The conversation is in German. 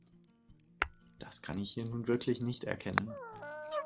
Das kann ich hier nun wirklich nicht erkennen.